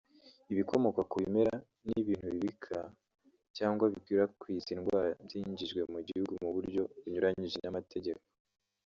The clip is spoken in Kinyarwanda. ibikomoka ku bimera n’ibintu bibika cyangwa bikwirakwiza indwara byinjijwe mu Gihugu mu buryo bunyuranyije n’amategeko